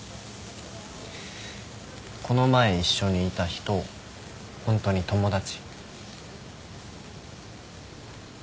この前一緒にいた人ホントに友達？